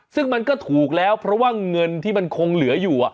ซึ่งมันก็ถูกแล้วเพราะว่าเงินที่มันคงเหลืออยู่